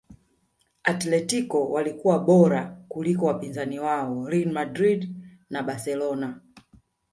atletico walikuwa bora kuliko wapinzani wao real madrid na barcelona